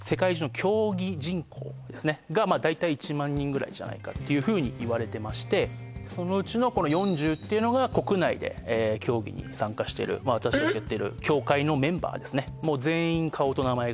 ですねがまあ大体１００００人ぐらいじゃないかっていうふうにいわれてましてそのうちのこの４０っていうのが国内で競技に参加してる私達がやってる協会のメンバーですねえっ！？